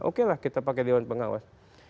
oke lah kita pakai dewan pengawas